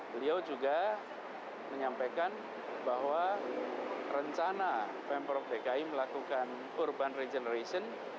beliau juga menyampaikan bahwa rencana pemprov dki melakukan urban regeneration